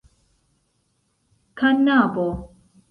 kanabo